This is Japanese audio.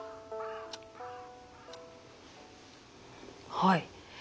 はい。